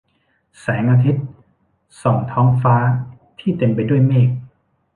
แสงอาทิตย์ส่องท้องฟ้าที่เต็มไปด้วยเมฆ